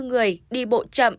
ba mươi bốn người đi bộ chậm